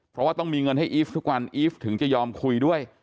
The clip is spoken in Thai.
เพราะว่าต้องมีเงินให้อีฟทุกวันอีฟถึงจะยอมคุยด้วย